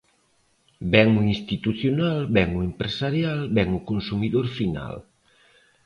Ben o institucional, ben o empresarial, ben o consumidor final.